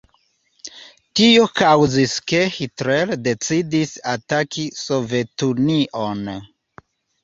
Tio kaŭzis ke Hitler decidis ataki Sovetunion.